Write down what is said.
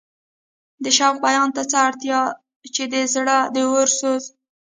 د شوق بیان ته څه اړتیا چې د زړه د اور سوز.